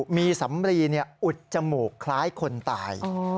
มีสำรีอุดจมูกคล้ายคนตาย